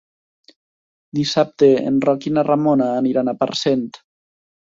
Dissabte en Roc i na Ramona aniran a Parcent.